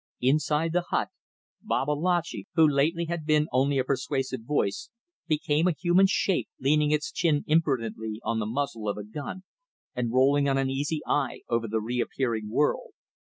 Inside the hut, Babalatchi, who lately had been only a persuasive voice, became a human shape leaning its chin imprudently on the muzzle of a gun and rolling an uneasy eye over the reappearing world.